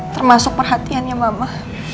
termasuk perhatiannya mama